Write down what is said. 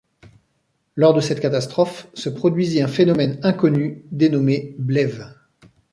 Lors de cette catastrophe, se produisit un phénomène inconnu dénommé Bleve.